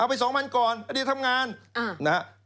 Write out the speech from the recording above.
เอาไปสองบันก่อนอันนี้ทำงานนะฮะ